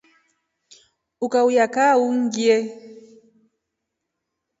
Ukaulya kaa ungie.